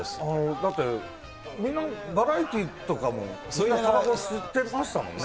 だってみんな、バラエティーとかもたばこは吸ってましたもんね。